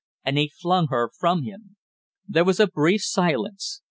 and he flung her from him. There was a brief silence.